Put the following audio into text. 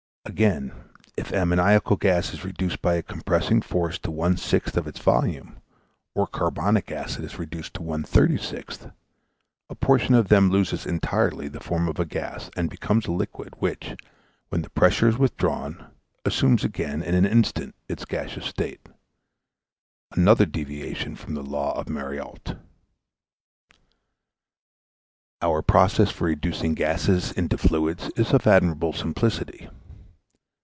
Again, if ammoniacal gas is reduced by a compressing force to one sixth of its volume, or carbonic acid is reduced to one thirty sixth, a portion of them loses entirely the form of a gas, and becomes a liquid, which, when the pressure is withdrawn, assumes again in an instant its gaseous state another deviation from the law of Marriotte. Our process for reducing gases into fluids is of admirable simplicity.